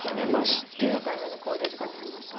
清成九段７回目の考慮時間に入りました。